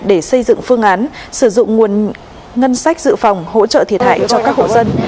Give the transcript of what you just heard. để xây dựng phương án sử dụng nguồn ngân sách dự phòng hỗ trợ thiệt hại cho các hộ dân